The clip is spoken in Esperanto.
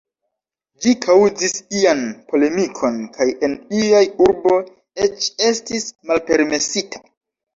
Ĝi kaŭzis ian polemikon kaj en iaj urbo eĉ estis malpermesita.